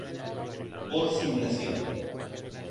Por simulación.